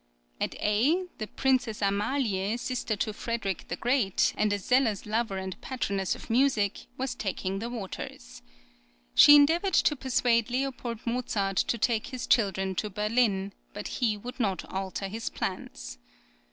At Aix, the Princess Amalie, sister {EARLY JOURNEYS.} (34) to Frederick the Great, and a zealous lover and patroness of music, was taking the waters. She endeavoured to persuade L. Mozart to take his children to Berlin, but he would not alter his plans.